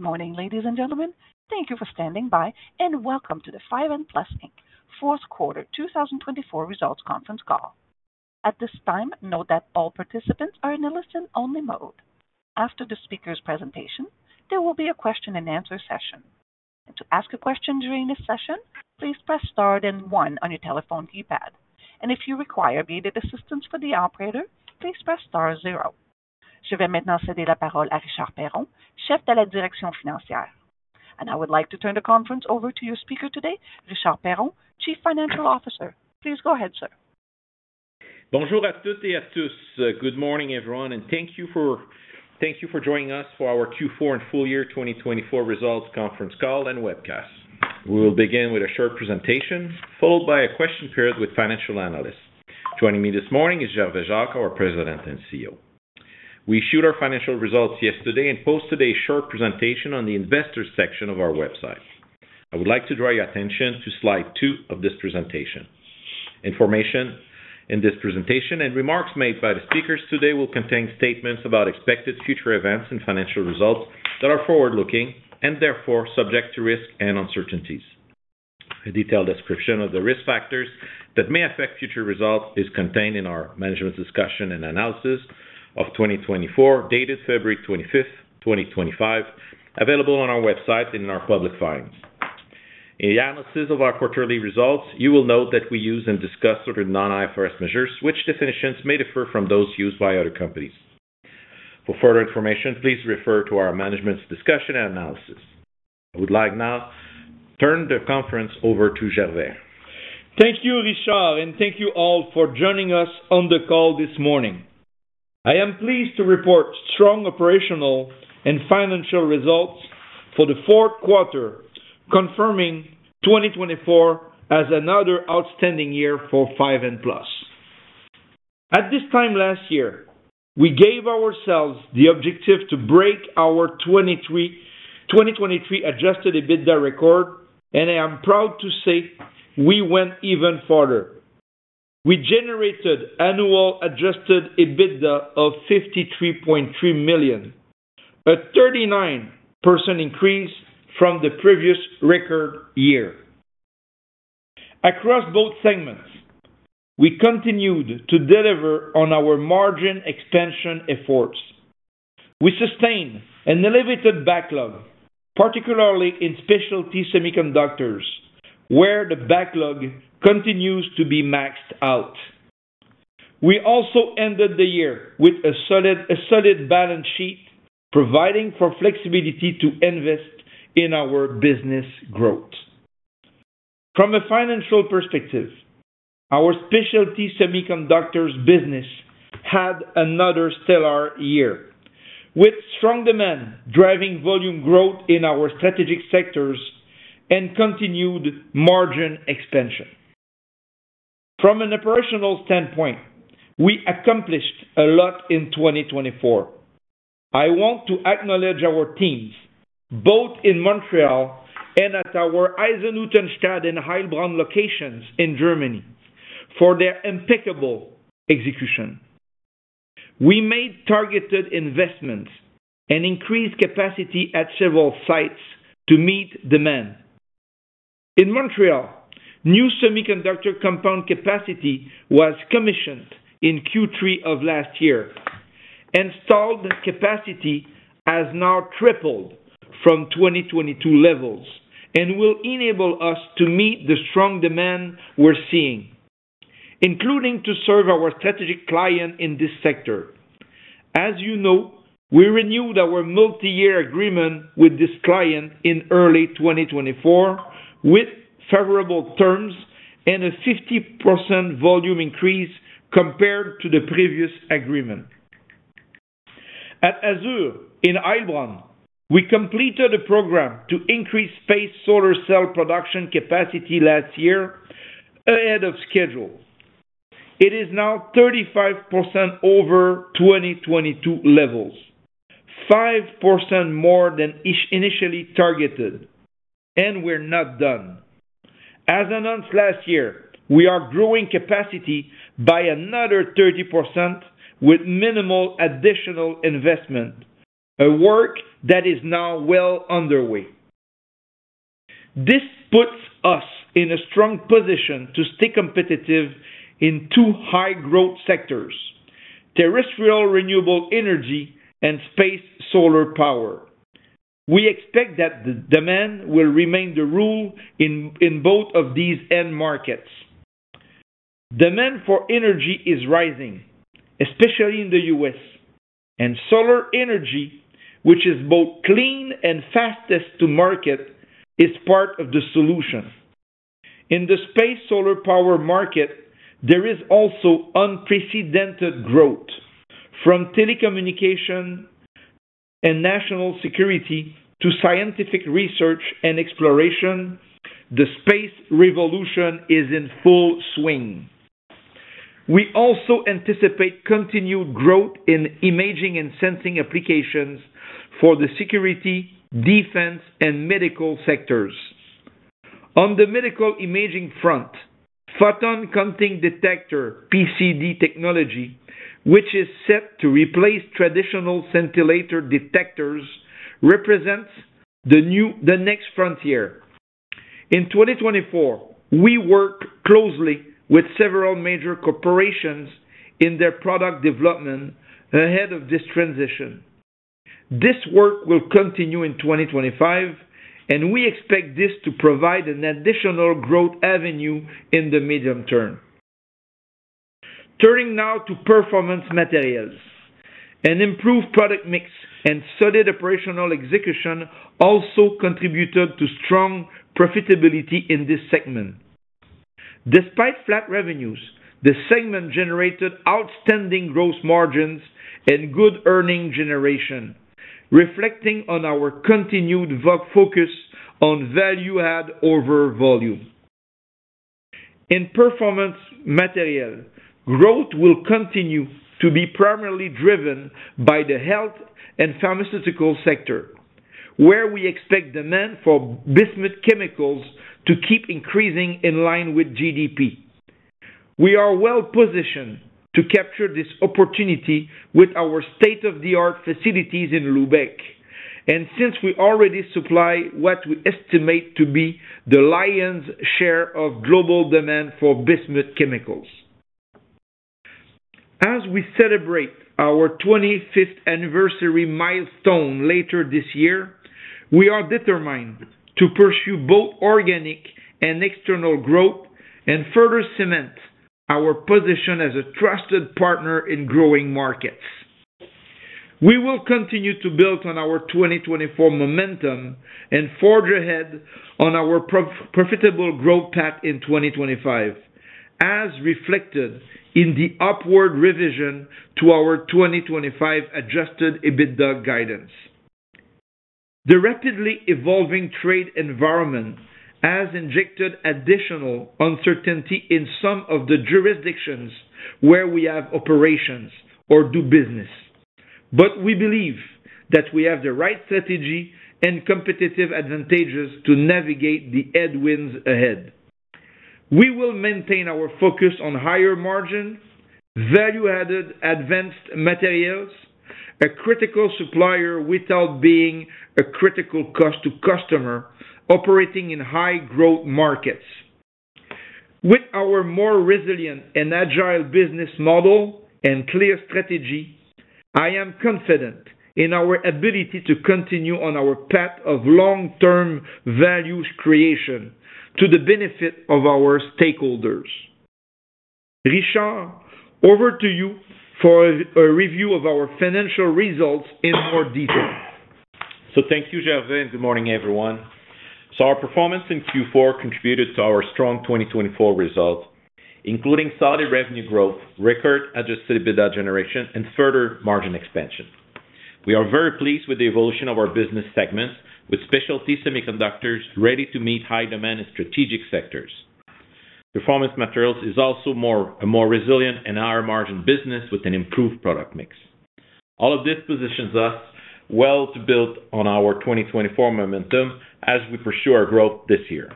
Good morning, ladies and gentlemen. Thank you for standing by, and welcome to the 5N Plus Inc. Q4 2024 Results Conference Call. At this time, note that all participants are in a listen-only mode. After the speaker's presentation, there will be a question-and-answer session. To ask a question during this session, please press Star then 1 on your telephone keypad. And if you require operator assistance, please press Star 0. And I would like to turn the conference over to your speaker today, Richard Perron, Chief Financial Officer. Please go ahead, sir. Good morning, everyone, and thank you for joining us for our Q4 and full year 2024 Results Conference Call and webcast. We will begin with a short presentation, followed by a question period with financial analysts. Joining me this morning is Gervais Jacques, our President and CEO. We issued our financial results yesterday and posted a short presentation on the Investors section of our website. I would like to draw your attention to Slide 2 of this presentation. Information in this presentation and remarks made by the speakers today will contain statements about expected future events and financial results that are forward-looking and therefore subject to risk and uncertainties. A detailed description of the risk factors that may affect future results is contained in our Management's Discussion and Analysis of 2024, dated February 25, 2025, available on our website and in our public filings. In the analysis of our quarterly results, you will note that we use and discuss certain non-IFRS measures, which definitions may differ from those used by other companies. For further information, please refer to our Management's Discussion and Analysis. I would like now to turn the conference over to Gervais. Thank you, Richard, and thank you all for joining us on the call this morning. I am pleased to report strong operational and financial results for the fourth quarter, confirming 2024 as another outstanding year for 5N Plus. At this time last year, we gave ourselves the objective to break our 2023 Adjusted EBITDA record, and I am proud to say we went even further. We generated annual Adjusted EBITDA of $53.3 million, a 39% increase from the previous record year. Across both segments, we continued to deliver on our margin expansion efforts. We sustained an elevated backlog, particularly in Specialty Semiconductors, where the backlog continues to be maxed out. We also ended the year with a solid balance sheet, providing for flexibility to invest in our business growth. From a financial perspective, our Specialty Semiconductors business had another stellar year, with strong demand driving volume growth in our strategic sectors and continued margin expansion. From an operational standpoint, we accomplished a lot in 2024. I want to acknowledge our teams, both in Montreal and at our Eisenhüttenstadt and Heilbronn locations in Germany, for their impeccable execution. We made targeted investments and increased capacity at several sites to meet demand. In Montreal, new semiconductor compound capacity was commissioned in Q3 of last year. Installed capacity has now tripled from 2022 levels and will enable us to meet the strong demand we're seeing, including to serve our strategic client in this sector. As you know, we renewed our multi-year agreement with this client in early 2024, with favorable terms and a 50% volume increase compared to the previous agreement. At AZUR in Heilbronn, we completed a program to increase space solar cell production capacity last year ahead of schedule. It is now 35% over 2022 levels, 5% more than initially targeted, and we're not done. As announced last year, we are growing capacity by another 30% with minimal additional investment, a work that is now well underway. This puts us in a strong position to stay competitive in two high-growth sectors: terrestrial renewable energy and space solar power. We expect that the demand will remain the rule in both of these end markets. Demand for energy is rising, especially in the U.S., and solar energy, which is both clean and fastest to market, is part of the solution. In the space solar power market, there is also unprecedented growth. From telecommunication and national security to scientific research and exploration, the space revolution is in full swing. We also anticipate continued growth in imaging and sensing applications for the security, defense, and medical sectors. On the medical imaging front, photon counting detector (PCD) technology, which is set to replace traditional scintillator detectors, represents the next frontier. In 2024, we work closely with several major corporations in their product development ahead of this transition. This work will continue in 2025, and we expect this to provide an additional growth avenue in the medium term. Turning now to Performance Materials, an improved product mix and solid operational execution also contributed to strong profitability in this segment. Despite flat revenues, the segment generated outstanding gross margins and good earnings generation, reflecting on our continued focus on value-add over volume. In Performance Materials, growth will continue to be primarily driven by the health and pharmaceutical sector, where we expect demand for bismuth chemicals to keep increasing in line with GDP. We are well-positioned to capture this opportunity with our state-of-the-art facilities in Lübeck, and since we already supply what we estimate to be the lion's share of global demand for bismuth chemicals. As we celebrate our 25th anniversary milestone later this year, we are determined to pursue both organic and external growth and further cement our position as a trusted partner in growing markets. We will continue to build on our 2024 momentum and forge ahead on our profitable growth path in 2025, as reflected in the upward revision to our 2025 Adjusted EBITDA guidance. The rapidly evolving trade environment has injected additional uncertainty in some of the jurisdictions where we have operations or do business, but we believe that we have the right strategy and competitive advantages to navigate the headwinds ahead. We will maintain our focus on higher margin, value-added advanced materials, a critical supplier without being a critical cost to customer, operating in high-growth markets. With our more resilient and agile business model and clear strategy, I am confident in our ability to continue on our path of long-term value creation to the benefit of our stakeholders. Richard, over to you for a review of our financial results in more detail. Thank you, Gervais. Good morning, everyone. Our performance in Q4 contributed to our strong 2024 result, including solid revenue growth, record Adjusted EBITDA generation, and further margin expansion. We are very pleased with the evolution of our business segments, with Specialty Semiconductors ready to meet high demand in strategic sectors. Performance Materials is also a more resilient and higher-margin business with an improved product mix. All of this positions us well to build on our 2024 momentum as we pursue our growth this year.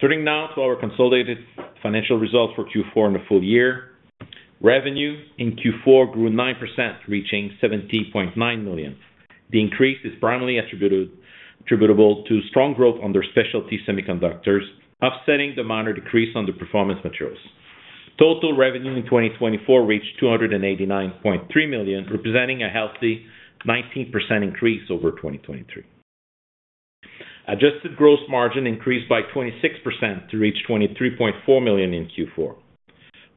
Turning now to our consolidated financial results for Q4 in the full year, revenue in Q4 grew 9%, reaching $70.9 million. The increase is primarily attributable to strong growth under Specialty Semiconductors, offsetting the minor decrease under Performance Materials. Total revenue in 2024 reached $289.3 million, representing a healthy 19% increase over 2023. Adjusted gross margin increased by 26% to reach $23.4 million in Q4.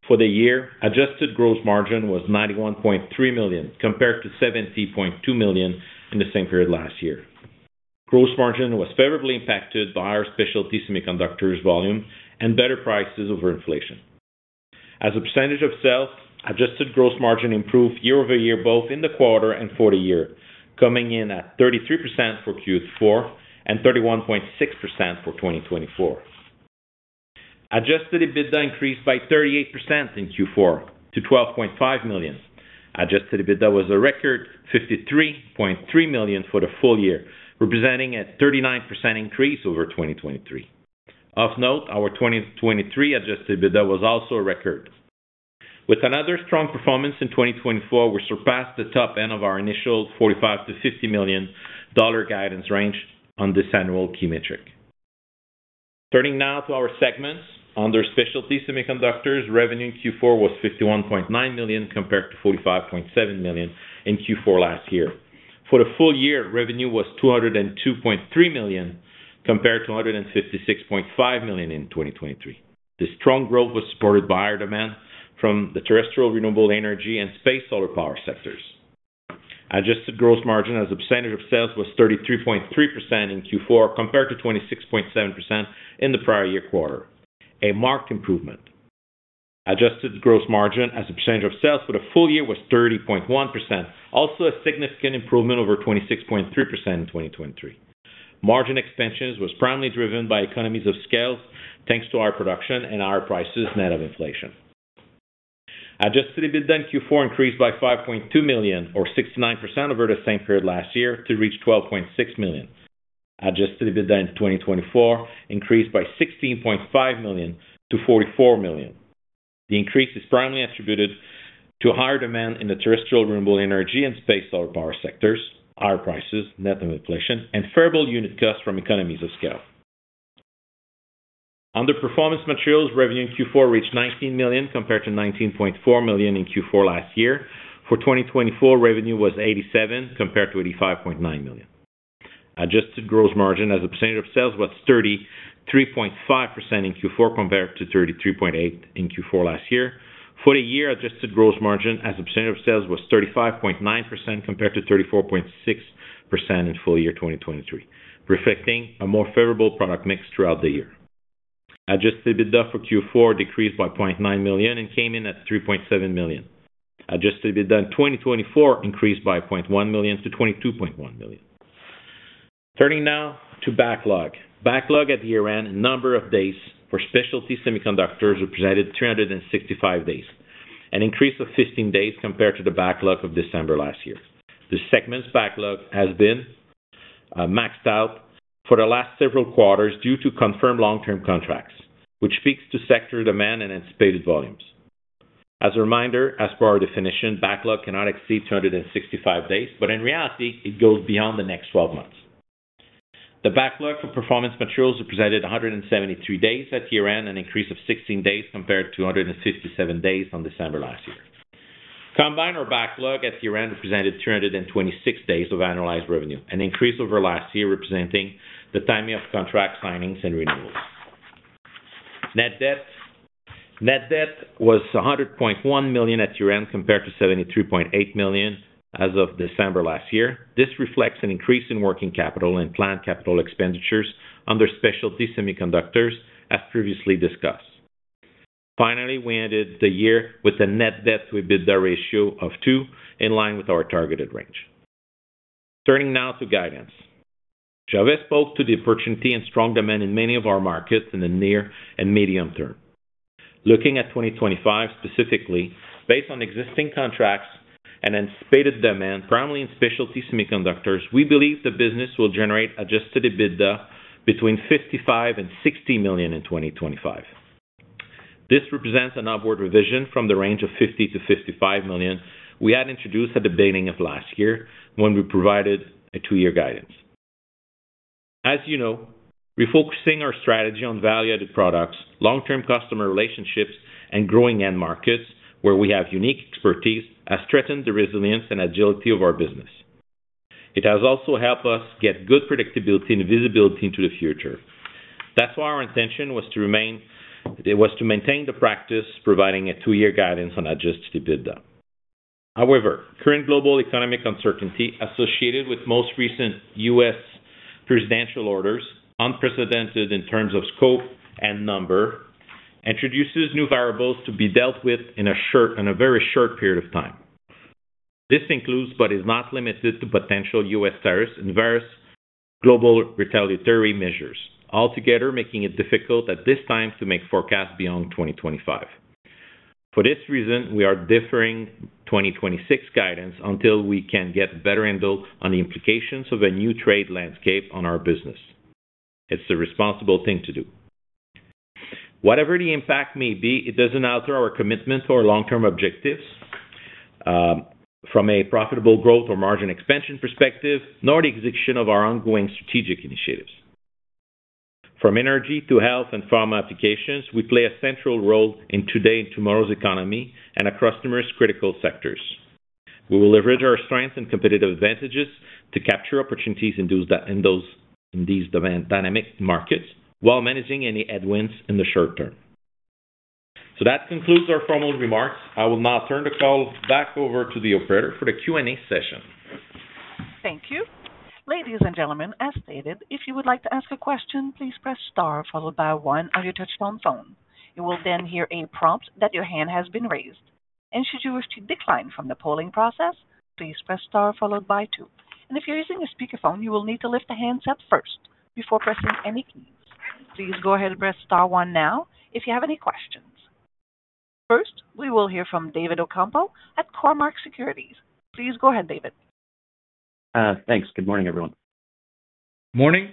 For the year, Adjusted Gross Margin was $91.3 million, compared to $70.2 million in the same period last year. Gross margin was favorably impacted by our Specialty Semiconductors volume and better prices over inflation. As a percentage of sales, Adjusted Gross Margin improved year-over-year, both in the quarter and for the year, coming in at 33% for Q4 and 31.6% for 2024. Adjusted EBITDA increased by 38% in Q4 to $12.5 million. Adjusted EBITDA was a record $53.3 million for the full year, representing a 39% increase over 2023. Of note, our 2023 Adjusted EBITDA was also a record. With another strong performance in 2024, we surpassed the top end of our initial $45 million to $50 million dollar guidance range on this annual key metric. Turning now to our segments, under Specialty Semiconductors, revenue in Q4 was $51.9 million compared to $45.7 million in Q4 last year. For the full year, revenue was $202.3 million compared to $156.5 million in 2023. The strong growth was supported by higher demand from the terrestrial renewable energy and space solar power sectors. Adjusted gross margin as a percentage of sales was 33.3% in Q4 compared to 26.7% in the prior year quarter, a marked improvement. Adjusted gross margin as a percentage of sales for the full year was 30.1%, also a significant improvement over 26.3% in 2023. Margin expansion was primarily driven by economies of scale thanks to higher production and higher prices net of inflation. Adjusted EBITDA in Q4 increased by $5.2 million, or 69% over the same period last year, to reach $12.6 million. Adjusted EBITDA in 2024 increased by $16.5 million to $44 million. The increase is primarily attributed to higher demand in the terrestrial renewable energy and space solar power sectors, higher prices net of inflation, and favorable unit costs from economies of scale. Under Performance Materials, revenue in Q4 reached $19 million compared to $19.4 million in Q4 last year. For 2024, revenue was $87 million compared to $85.9 million. Adjusted gross margin as a percentage of sales was 33.5% in Q4 compared to 33.8% in Q4 last year. For the year, Adjusted Gross Margin as a percentage of sales was 35.9% compared to 34.6% in full year 2023, reflecting a more favorable product mix throughout the year. Adjusted EBITDA for Q4 decreased by $0.9 million and came in at $3.7 million. Adjusted EBITDA in 2024 increased by $0.1 million to $22.1 million. Turning now to backlog. Backlog at year-end number of days for Specialty Semiconductors represented 365 days, an increase of 15 days compared to the backlog of December last year. The segment's backlog has been maxed out for the last several quarters due to confirmed long-term contracts, which speaks to sector demand and anticipated volumes. As a reminder, as per our definition, backlog cannot exceed 265 days, but in reality, it goes beyond the next 12 months. The backlog for Performance Materials represented 173 days at year-end, an increase of 16 days compared to 157 days on December last year. Combined our backlog at year-end represented 326 days of annualized revenue, an increase over last year representing the timing of contract signings and renewals. Net debt was $100.1 million at year-end compared to $73.8 million as of December last year. This reflects an increase in working capital and planned capital expenditures under Specialty Semiconductors, as previously discussed. Finally, we ended the year with a net debt to EBITDA ratio of 2, in line with our targeted range. Turning now to guidance, Gervais spoke to the opportunity and strong demand in many of our markets in the near and medium term. Looking at 2025 specifically, based on existing contracts and anticipated demand, primarily in Specialty Semiconductors, we believe the business will generate Adjusted EBITDA between $55 million and $60 million in 2025. This represents an upward revision from the range of $50-$55 million we had introduced at the beginning of last year when we provided a two-year guidance. As you know, refocusing our strategy on value-added products, long-term customer relationships, and growing end markets where we have unique expertise has strengthened the resilience and agility of our business. It has also helped us get good predictability and visibility into the future. That's why our intention was to maintain the practice providing a two-year guidance on Adjusted EBITDA. However, current global economic uncertainty associated with most recent U.S. presidential orders, unprecedented in terms of scope and number, introduces new variables to be dealt with in a very short period of time. This includes but is not limited to potential U.S. tariffs and various global retaliatory measures, altogether making it difficult at this time to make forecasts beyond 2025. For this reason, we are deferring 2026 guidance until we can get better intel on the implications of a new trade landscape on our business. It's the responsible thing to do. Whatever the impact may be, it doesn't alter our commitment or long-term objectives from a profitable growth or margin expansion perspective, nor the execution of our ongoing strategic initiatives. From energy to health and pharma applications, we play a central role in today's and tomorrow's economy and across numerous critical sectors. We will leverage our strengths and competitive advantages to capture opportunities in these dynamic markets while managing any headwinds in the short term. So that concludes our formal remarks. I will now turn the call back over to the operator for the Q&A session. Thank you. Ladies and gentlemen, as stated, if you would like to ask a question, please press Star followed by one on your touch-tone phone. You will then hear a prompt that your hand has been raised, and should you wish to withdraw from the polling process, please press Star followed by two, and if you're using a speakerphone, you will need to lift the handset up first before pressing any keys. Please go ahead and press Star one now if you have any questions. First, we will hear from David Ocampo at Cormark Securities. Please go ahead, David. Thanks. Good morning, everyone. Morning.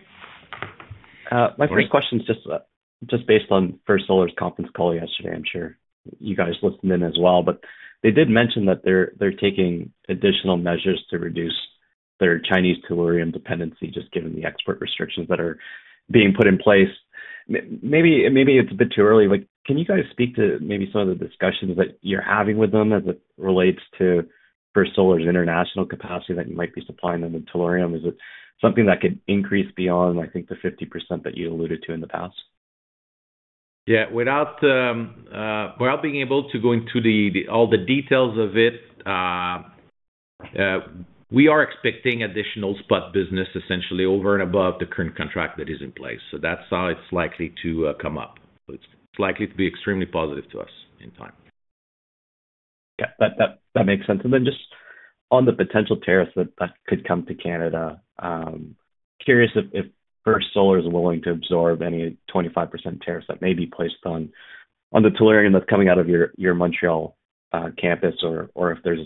My first question is just based on First Solar's conference call yesterday. I'm sure you guys listened in as well. But they did mention that they're taking additional measures to reduce their Chinese tellurium dependency, just given the export restrictions that are being put in place. Maybe it's a bit too early. But can you guys speak to maybe some of the discussions that you're having with them as it relates to First Solar's international capacity that you might be supplying them with tellurium? Is it something that could increase beyond, I think, the 50% that you alluded to in the past? Yeah. Without being able to go into all the details of it, we are expecting additional spot business, essentially, over and above the current contract that is in place. So that's how it's likely to come up. It's likely to be extremely positive to us in time. Okay. That makes sense. And then just on the potential tariffs that could come to Canada, curious if First Solar is willing to absorb any 25% tariffs that may be placed on the tellurium that's coming out of your Montreal campus, or if there's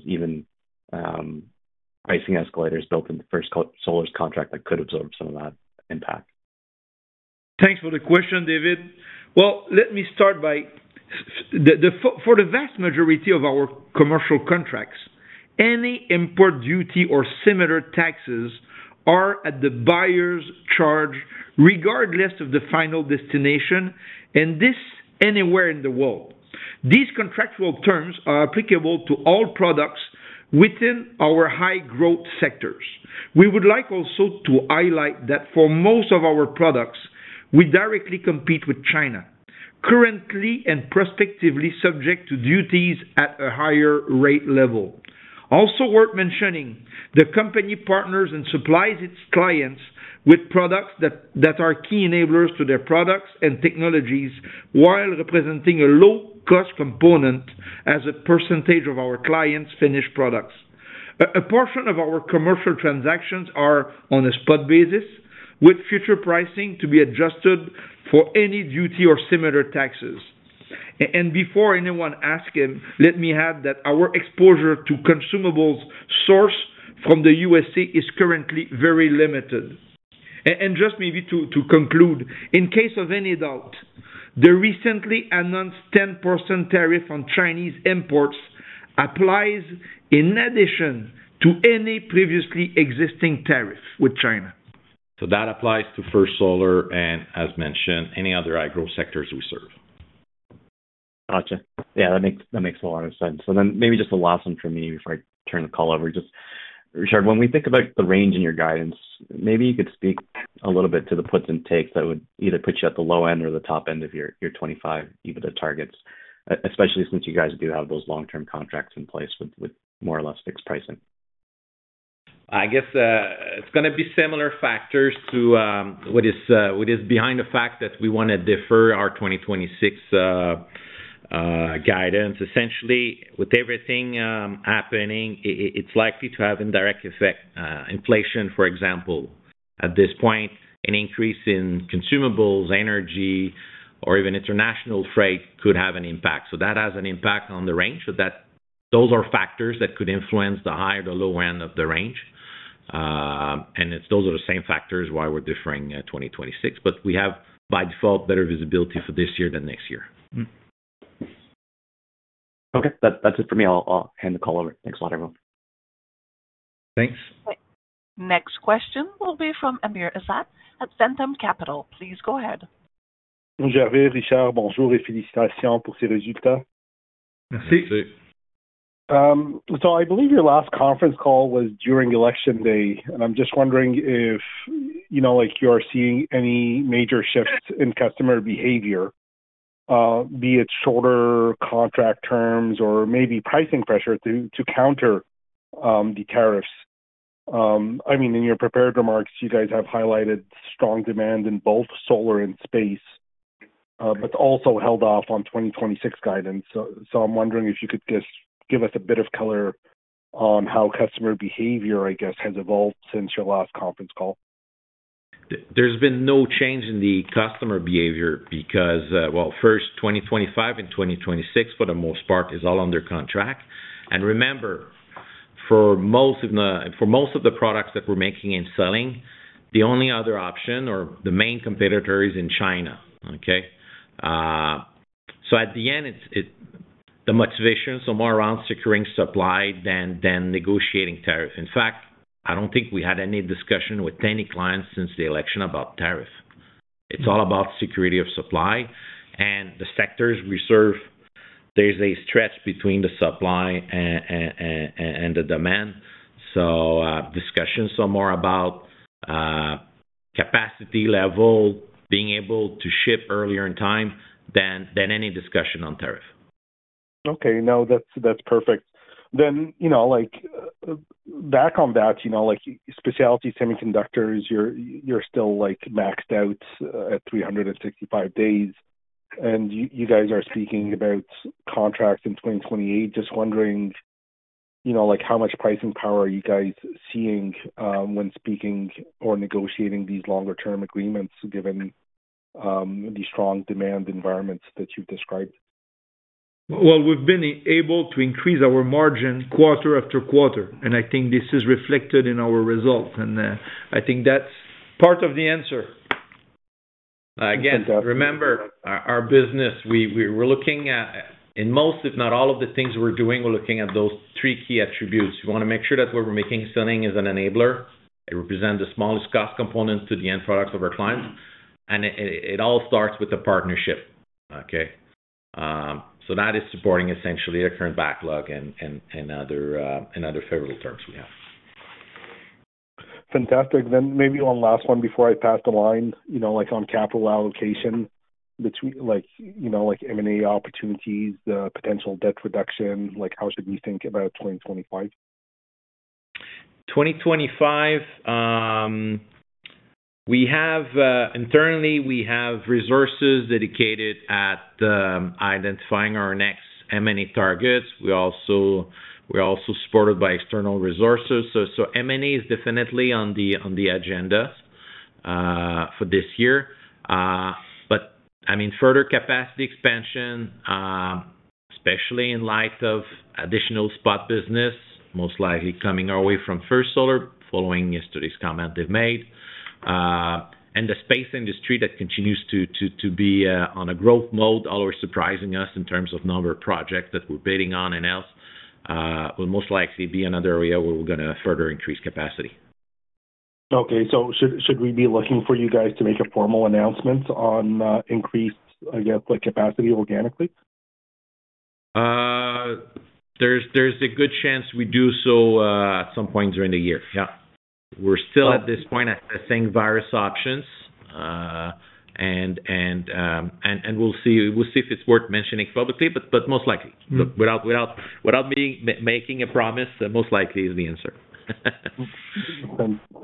even pricing escalators built in the First Solar's contract that could absorb some of that impact? Thanks for the question, David. Well, let me start by, for the vast majority of our commercial contracts, any import duty or similar taxes are at the buyer's charge, regardless of the final destination, and this anywhere in the world. These contractual terms are applicable to all products within our high-growth sectors. We would like also to highlight that for most of our products, we directly compete with China, currently and prospectively subject to duties at a higher rate level. Also worth mentioning, the company partners and supplies its clients with products that are key enablers to their products and technologies while representing a low-cost component as a percentage of our clients' finished products. A portion of our commercial transactions are on a spot basis, with future pricing to be adjusted for any duty or similar taxes. And before anyone asks him, let me add that our exposure to consumables sourced from the USA is currently very limited. And just maybe to conclude, in case of any doubt, the recently announced 10% tariff on Chinese imports applies in addition to any previously existing tariff with China. So that applies to First Solar and, as mentioned, any other high-growth sectors we serve. Gotcha. Yeah, that makes a lot of sense. And then maybe just the last one for me before I turn the call over. Just, Richard, when we think about the range in your guidance, maybe you could speak a little bit to the puts and takes that would either put you at the low end or the top end of your 25 EBITDA targets, especially since you guys do have those long-term contracts in place with more or less fixed pricing? I guess it's going to be similar factors to what is behind the fact that we want to defer our 2026 guidance. Essentially, with everything happening, it's likely to have a direct effect. Inflation, for example, at this point, an increase in consumables, energy, or even international freight could have an impact, so that has an impact on the range, so those are factors that could influence the higher or the lower end of the range, and those are the same factors why we're deferring 2026, but we have, by default, better visibility for this year than next year. Okay. That's it for me. I'll hand the call over. Thanks a lot, everyone. Thanks. Next question will be from Amr Ezzat at Ventum Financial Corp. Please go ahead. Merci. So I believe your last conference call was during election day. And I'm just wondering if you're seeing any major shifts in customer behavior, be it shorter contract terms or maybe pricing pressure to counter the tariffs? I mean, in your prepared remarks, you guys have highlighted strong demand in both solar and space, but also held off on 2026 guidance. So I'm wondering if you could just give us a bit of color on how customer behavior, I guess, has evolved since your last conference call? There's been no change in the customer behavior because, well, first, 2025 and 2026, for the most part, is all under contract, and remember, for most of the products that we're making and selling, the only other option or the main competitor is in China, okay, so at the end, the motivation is somewhere around securing supply than negotiating tariff. In fact, I don't think we had any discussion with any clients since the election about tariff. It's all about security of supply, and the sectors we serve, there's a stretch between the supply and the demand, so discussions are more about capacity level, being able to ship earlier in time than any discussion on tariff. Okay. No, that's perfect. Then back on that, Specialty Semiconductors, you're still maxed out at 365 days. And you guys are speaking about contracts in 2028. Just wondering how much pricing power are you guys seeing when speaking or negotiating these longer-term agreements, given the strong demand environments that you've described? We've been able to increase our margin quarter after quarter. I think this is reflected in our results. I think that's part of the answer. Again, remember, our business, we're looking at, in most, if not all of the things we're doing, we're looking at those three key attributes. We want to make sure that what we're making and selling is an enabler. It represents the smallest cost component to the end products of our clients. It all starts with a partnership, Okay? That is supporting, essentially, the current backlog and other favorable terms we have. Fantastic. Then maybe one last one before I pass the line, like on capital allocation, like M&A opportunities, the potential debt reduction, how should we think about 2025? 2025, internally, we have resources dedicated at identifying our next M&A targets. We're also supported by external resources. So M&A is definitely on the agenda for this year. But I mean, further capacity expansion, especially in light of additional spot business, most likely coming our way from First Solar, following yesterday's comment they've made. And the space industry that continues to be on a growth mode, although it's surprising us in terms of number of projects that we're bidding on and else, will most likely be another area where we're going to further increase capacity. Okay, so should we be looking for you guys to make a formal announcement on increased, I guess, capacity organically? There's a good chance we do so at some point during the year. Yeah. We're still, at this point, at the same various options, and we'll see if it's worth mentioning publicly, but most likely. Without making a promise, most likely is the answer.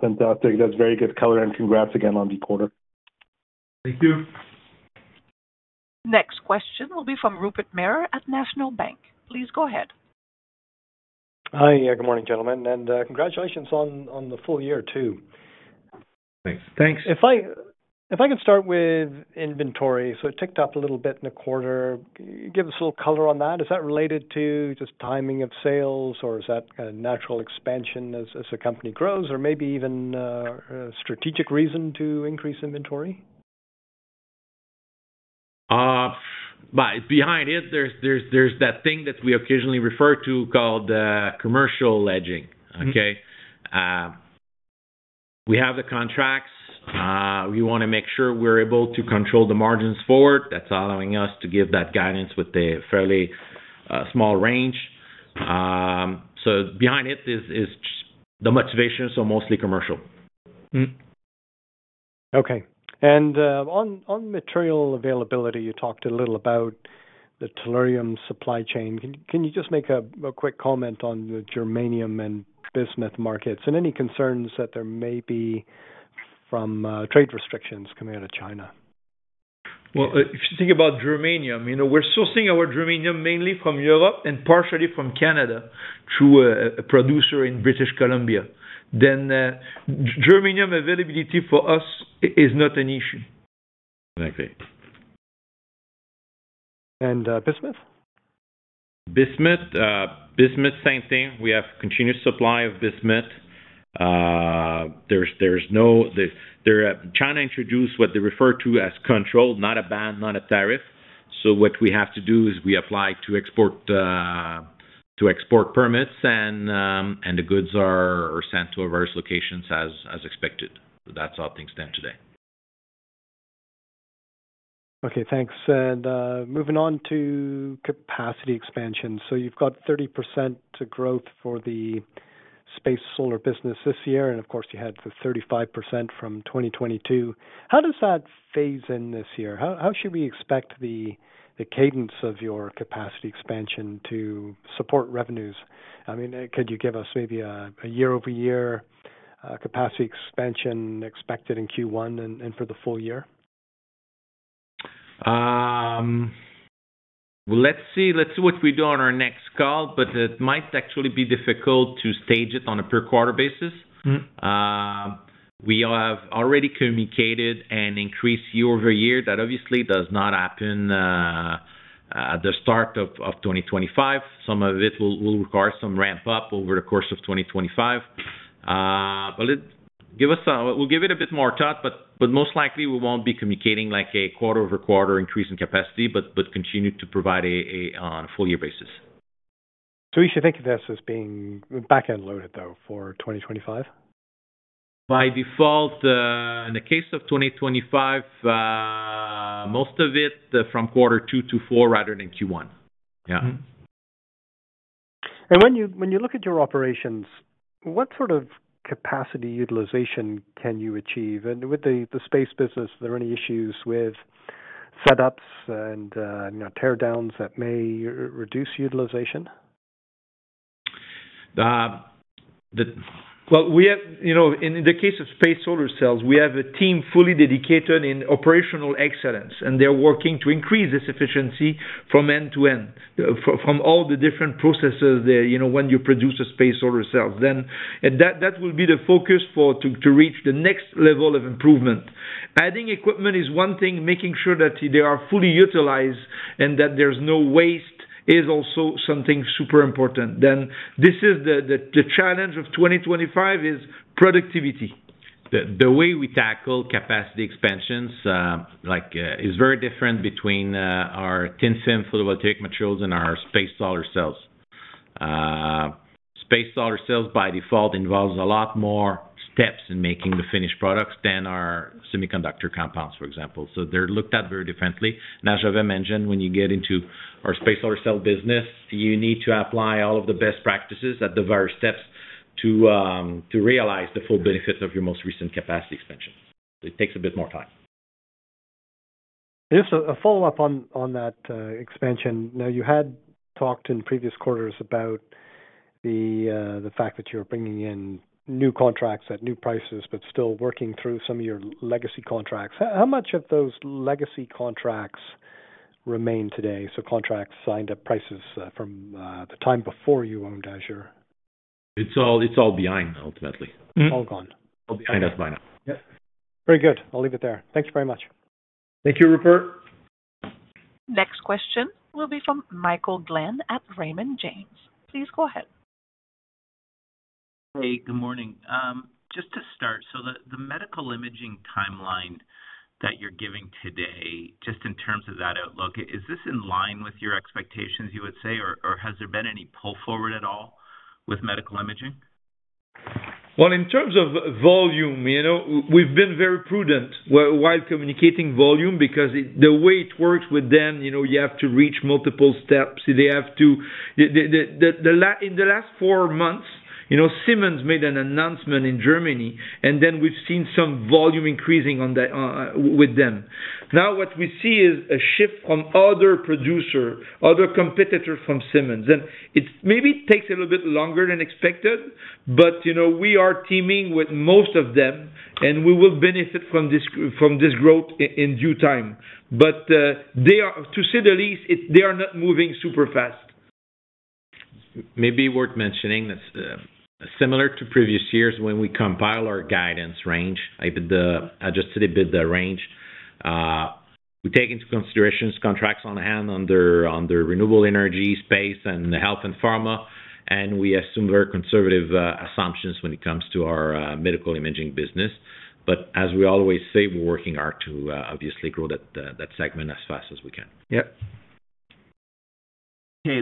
Fantastic. That's very good color. And congrats again on the quarter. Thank you. Next question will be from Rupert Merer at National Bank. Please go ahead. Hi. Yeah, good morning, gentlemen, and congratulations on the full year, too. Thanks. If I could start with inventory. So it ticked up a little bit in the quarter. Give us a little color on that. Is that related to just timing of sales, or is that a natural expansion as the company grows, or maybe even a strategic reason to increase inventory? Behind it, there's that thing that we occasionally refer to called commercial hedging, okay? We have the contracts. We want to make sure we're able to control the margins forward. That's allowing us to give that guidance with a fairly small range. So behind it is the motivation, so mostly commercial. Okay. And on material availability, you talked a little about the tellurium supply chain. Can you just make a quick comment on the germanium and bismuth markets and any concerns that there may be from trade restrictions coming out of China? If you think about germanium, we're sourcing our germanium mainly from Europe and partially from Canada through a producer in British Columbia. Germanium availability for us is not an issue. Exactly. And bismuth? Bismuth, same thing. We have continuous supply of bismuth. There's no. China introduced what they refer to as control, not a ban, no tariff. So what we have to do is we apply for export permits, and the goods are sent to various locations as expected. That's how things stand today. Okay. Thanks. And moving on to capacity expansion. So you've got 30% growth for the space solar business this year. And of course, you had the 35% from 2022. How does that phase in this year? How should we expect the cadence of your capacity expansion to support revenues? I mean, could you give us maybe a year-over-year capacity expansion expected in Q1 and for the full year? Let's see what we do on our next call, but it might actually be difficult to stage it on a per quarter basis. We have already communicated an increase year-over-year. That obviously does not happen at the start of 2025. Some of it will require some ramp-up over the course of 2025. But we'll give it a bit more thought, but most likely, we won't be communicating a quarter-over-quarter increase in capacity, but continue to provide on a full-year basis. So we should think of this as being back-end loaded, though, for 2025? By default, in the case of 2025, most of it from quarter two to four rather than Q1. Yeah. And when you look at your operations, what sort of capacity utilization can you achieve? And with the space business, are there any issues with setups and teardowns that may reduce utilization? In the case of space solar cells, we have a team fully dedicated in operational excellence, and they're working to increase this efficiency from end to end, from all the different processes when you produce a space solar cell. That will be the focus to reach the next level of improvement. Adding equipment is one thing, making sure that they are fully utilized and that there's no waste is also something super important. This is the challenge of 2025: productivity. The way we tackle capacity expansions is very different between our thin-film photovoltaic materials and our space solar cells. Space solar cells, by default, involves a lot more steps in making the finished products than our semiconductor compounds, for example, so they're looked at very differently, and as Gervais mentioned, when you get into our space solar cell business, you need to apply all of the best practices at the various steps to realize the full benefits of your most recent capacity expansion. It takes a bit more time. Just a follow-up on that expansion. Now, you had talked in previous quarters about the fact that you're bringing in new contracts at new prices, but still working through some of your legacy contracts. How much of those legacy contracts remain today? So contracts signed at prices from the time before you owned AZUR? It's all behind, ultimately. It's all gone. It's all behind us by now. Yep. Very good. I'll leave it there. Thank you very much. Thank you, Rupert. Next question will be from Michael Glen at Raymond James. Please go ahead. Hey, good morning. Just to start, so the medical imaging timeline that you're giving today, just in terms of that outlook, is this in line with your expectations, you would say, or has there been any pull forward at all with medical imaging? In terms of volume, we've been very prudent while communicating volume because the way it works with them, you have to reach multiple steps. They have to, in the last four months, Siemens made an announcement in Germany, and then we've seen some volume increasing with them. Now, what we see is a shift from other producers, other competitors from Siemens. Maybe it takes a little bit longer than expected, but we are teaming with most of them, and we will benefit from this growth in due time. To say the least, they are not moving super fast. Maybe worth mentioning that similar to previous years, when we compile our guidance range, I adjusted a bit the range, we take into consideration contracts on hand under renewable energy space and health and pharma, and we assume very conservative assumptions when it comes to our medical imaging business. But as we always say, we're working hard to obviously grow that segment as fast as we can. Yep. Hey,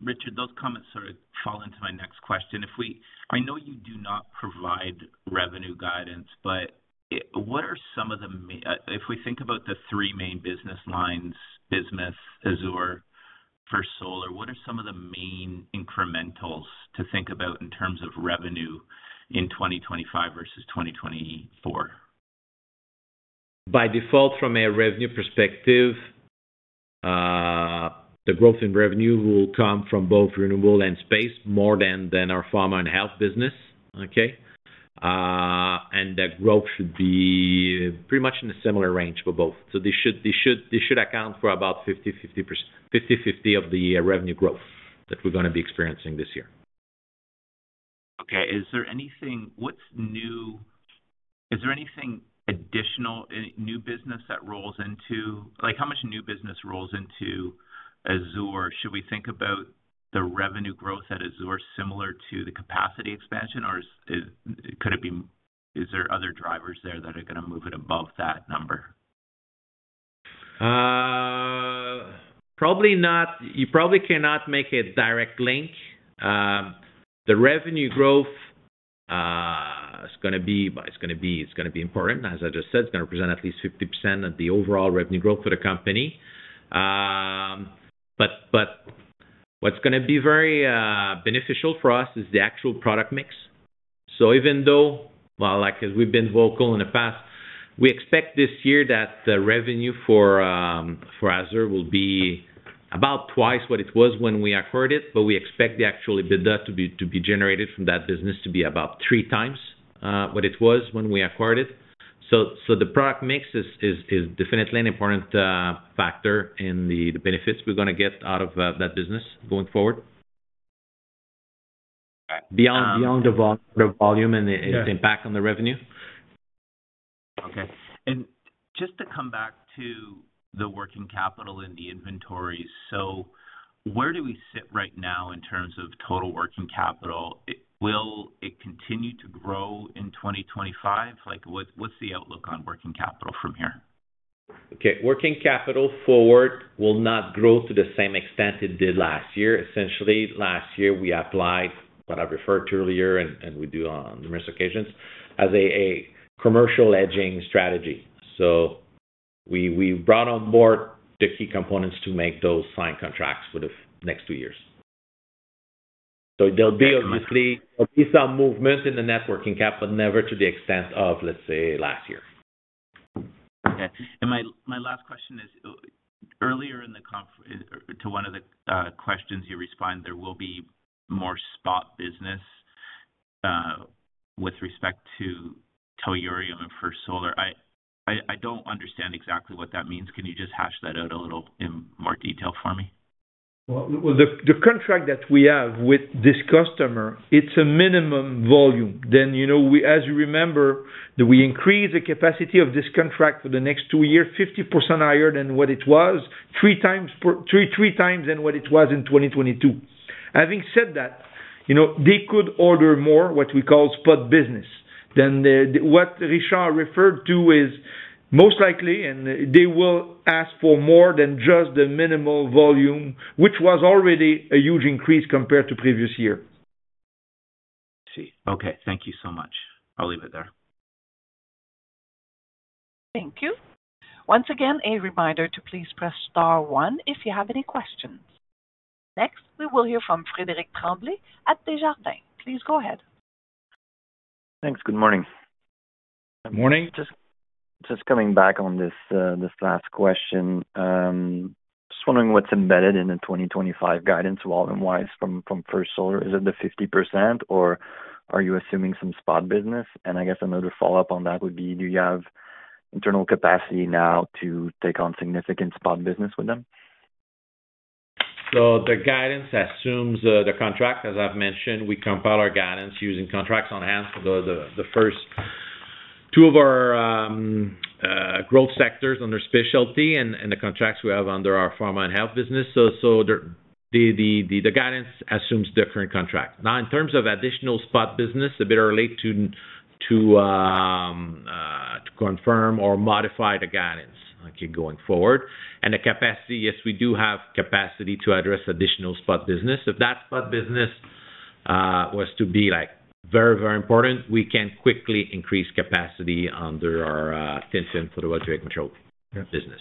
Richard, those comments sort of fall into my next question. I know you do not provide revenue guidance, but what are some of the, if we think about the three main business lines, bismuth, AZUR, First Solar, what are some of the main incrementals to think about in terms of revenue in 2025 versus 2024? By default, from a revenue perspective, the growth in revenue will come from both renewable and space more than our pharma and health business, okay? And that growth should be pretty much in a similar range for both. So they should account for about 50/50 of the revenue growth that we're going to be experiencing this year. Okay. Is there anything new? Is there anything additional, new business that rolls into? How much new business rolls into AZUR? Should we think about the revenue growth at AZUR similar to the capacity expansion, or could it be? Is there other drivers there that are going to move it above that number? You probably cannot make a direct link. The revenue growth is going to be. It's going to be important. As I just said, it's going to represent at least 50% of the overall revenue growth for the company. But what's going to be very beneficial for us is the actual product mix. So even though, well, as we've been vocal in the past, we expect this year that the revenue for AZUR will be about twice what it was when we acquired it, but we expect the actual EBITDA to be generated from that business to be about three times what it was when we acquired it. So the product mix is definitely an important factor in the benefits we're going to get out of that business going forward. Beyond the volume and its impact on the revenue. Okay. And just to come back to the working capital and the inventories. So where do we sit right now in terms of total working capital? Will it continue to grow in 2025? What's the outlook on working capital from here? Okay. Working capital going forward will not grow to the same extent it did last year. Essentially, last year, we applied what I referred to earlier, and we do on numerous occasions, as a commercial hedging strategy. So we brought on board the key components to make those signed contracts for the next two years. So there'll be obviously some movement in the working capital, never to the extent of, let's say, last year. Okay. And my last question is, earlier in the conference, to one of the questions you responded, there will be more spot business with respect to tellurium and First Solar. I don't understand exactly what that means. Can you just hash that out a little in more detail for me? The contract that we have with this customer, it's a minimum volume. Then, as you remember, we increase the capacity of this contract for the next two years, 50% higher than what it was, three times than what it was in 2022. Having said that, they could order more, what we call spot business. Then what Richard referred to is most likely, and they will ask for more than just the minimal volume, which was already a huge increase compared to previous year. I see. Okay. Thank you so much. I'll leave it there. Thank you. Once again, a reminder to please press Star one if you have any questions. Next, we will hear from Frédéric Tremblay at Desjardins. Please go ahead. Thanks. Good morning. Good morning. Just coming back on this last question. Just wondering what's embedded in the 2025 guidance, all in with First Solar. Is it the 50%, or are you assuming some spot business? And I guess another follow-up on that would be, do you have internal capacity now to take on significant spot business with them? So the guidance assumes the contract. As I've mentioned, we compile our guidance using contracts on hand for the first two of our growth sectors under specialty and the contracts we have under our pharma and health business. So the guidance assumes the current contract. Now, in terms of additional spot business, a bit early to confirm or modify the guidance going forward. And the capacity, yes, we do have capacity to address additional spot business. If that spot business was to be very, very important, we can quickly increase capacity under our thin-film photovoltaic material business.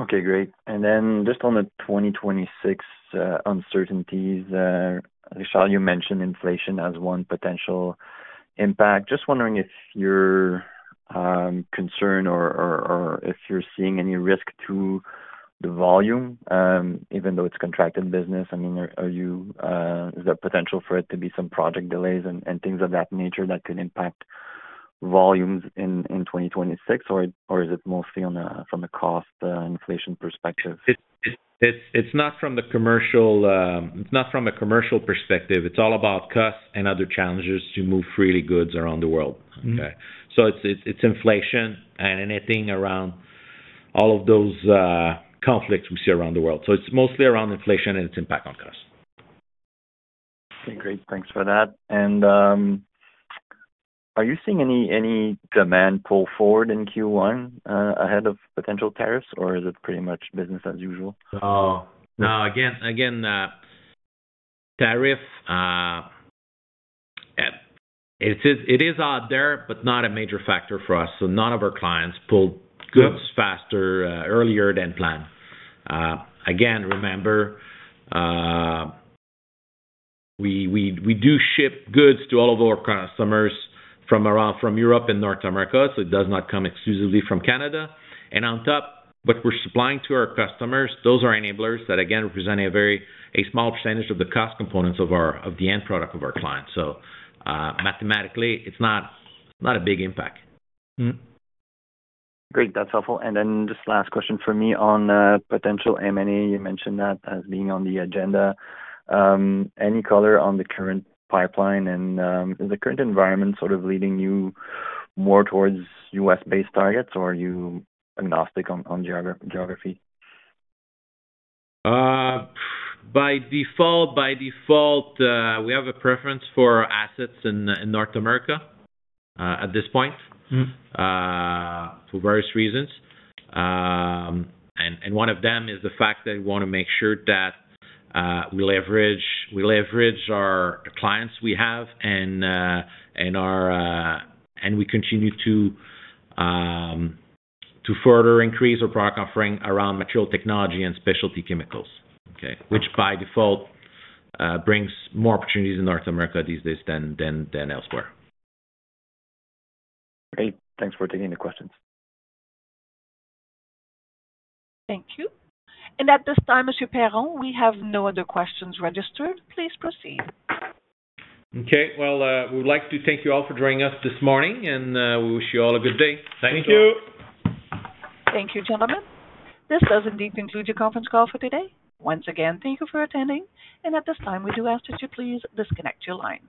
Okay. Great. And then just on the 2026 uncertainties, Richard, you mentioned inflation as one potential impact. Just wondering if your concern or if you're seeing any risk to the volume, even though it's contracted business? I mean, is there potential for it to be some project delays and things of that nature that could impact volumes in 2026, or is it mostly from a cost inflation perspective? It's not from the commercial. It's not from a commercial perspective. It's all about costs and other challenges to move freely goods around the world. So it's inflation and anything around all of those conflicts we see around the world. So it's mostly around inflation and its impact on cost. Okay. Great. Thanks for that. And are you seeing any demand pull forward in Q1 ahead of potential tariffs, or is it pretty much business as usual? No. Again, tariff, it is out there, but not a major factor for us. So none of our clients pulled goods faster, earlier than planned. Again, remember, we do ship goods to all of our customers from Europe and North America, so it does not come exclusively from Canada, and on top, what we're supplying to our customers, those are enablers that, again, represent a very small percentage of the cost components of the end product of our client, so mathematically, it's not a big impact. Great. That's helpful. And then just last question for me on potential M&A. You mentioned that as being on the agenda. Any color on the current pipeline? And is the current environment sort of leading you more towards U.S.-based targets, or are you agnostic on geography? By default, we have a preference for assets in North America at this point for various reasons. And one of them is the fact that we want to make sure that we leverage our clients we have and we continue to further increase our product offering around material technology and specialty chemicals, okay, which by default brings more opportunities in North America these days than elsewhere. Great. Thanks for taking the questions. Thank you. At this time, Monsieur Perron, we have no other questions registered. Please proceed. Okay. Well, we'd like to thank you all for joining us this morning, and we wish you all a good day. Thank you. Thank you. Thank you, gentlemen. This does indeed conclude your conference call for today. Once again, thank you for attending. At this time, we do ask that you please disconnect your lines.